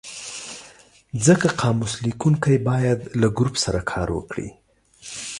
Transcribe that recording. ځکه قاموس لیکونکی باید له ګروپ سره کار وکړي.